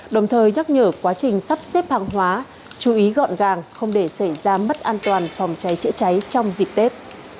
đồng thời nhắc nhở quá trình sắp xếp hàng hóa chú ý gọn gàng không để xảy ra mất an toàn phòng cháy chữa cháy trong dịp tết